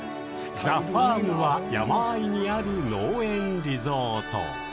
ＴＨＥＦＡＲＭは山あいにある農園リゾート。